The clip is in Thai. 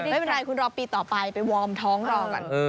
ไม่เป็นไรคุณรอปีต่อไปไปวอร์มท้องรอก่อน